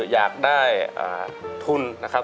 อยากได้ทุนนะครับ